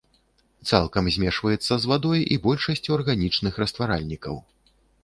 Цалкам змешваецца з вадой і большасцю арганічных растваральнікаў.